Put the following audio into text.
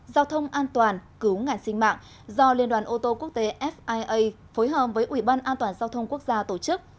giao thông an toàn cứu ngàn sinh mạng do liên đoàn ô tô quốc tế fia phối hợp với ủy ban an toàn giao thông quốc gia tổ chức